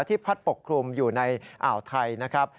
พัดปกคลุมอยู่ในอ่าวไทยนะครับ